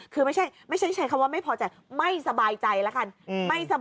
คือไม่ใช่ใช้คำว่าไม่พอใจไม่สบายใจแล้วกัน